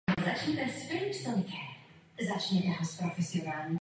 Hrabství byla vytvořena na základě velkých distriktů nebo sloučením malých hrabství.